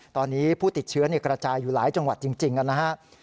ตอนนี้ผู้ติดเชื้อกระจายอยู่หลายจังหวัดจริงนะครับ